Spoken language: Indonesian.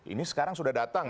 ini sekarang sudah datang